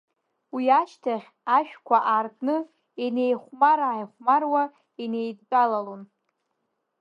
Уи ашьҭахь ашәқәа ааркны, инеихәмар-ааихәмаруа инеидтәалалон.